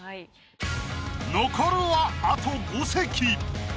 残るはあと５席。